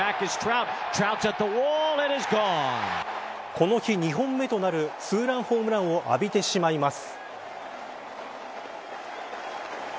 この日、２本目となるツーランホームランを浴びてしまいます。